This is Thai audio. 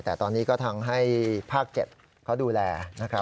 แต่ตอนนี้ก็ทำให้ภาค๗เขาดูแลนะครับ